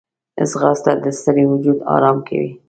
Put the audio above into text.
ځغاسته د ستړي وجود آرام کوي